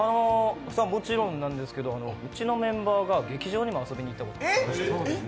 もちろんなですけどうちのメンバーが劇場にも遊びに行ったことがあって。